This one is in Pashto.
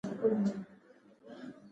منظور پښتین د پښتنو د حقوقو مدافع دي.